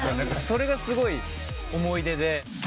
それがすごい思い出で。